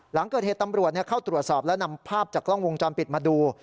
หลังเกิดเหตุตำรวจเข้าตรวจสอบและนำภาพจากกล้องวงจรปิดมาดู